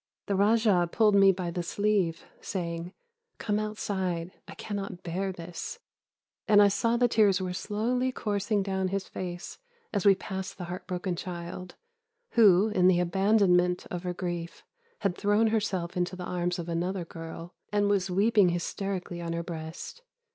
The raja pulled me by the sleeve, saying, 'Come outside, I cannot bear this,' and I saw the tears were slowly coursing down his face as we passed the heart broken child, who, in the abandonment of her grief, had thrown herself into the arms of another girl, and was weeping hysterically on her breast.